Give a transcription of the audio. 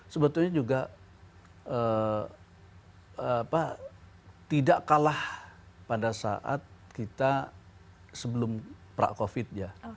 sebetulnya juga tidak kalah pada saat kita sebelum pra covid ya